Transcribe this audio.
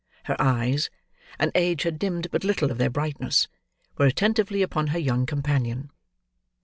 Her eyes (and age had dimmed but little of their brightness) were attentively upon her young companion.